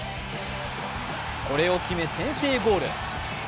これを決め先制ゴール。